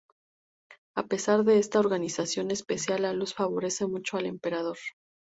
A pesar de esta organización espacial, la luz favorece mucho al emperador.